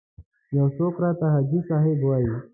یو څوک راته حاجي صاحب وایي.